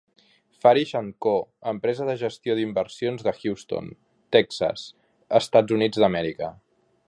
Farish and Co., empresa de gestió d'inversions de Houston, Texas, E.U.A.